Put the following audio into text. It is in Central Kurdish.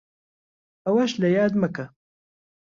ئەوەش لەیاد مەکە